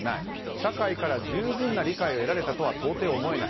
社会から十分な理解を得られたとは到底思えない。